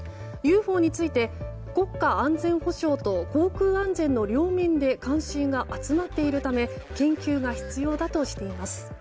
ＵＦＯについて国家安全保障と航空安全の両面で関心が集まっているため研究が必要だとしています。